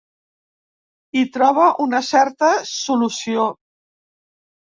Hi troba una certa solució.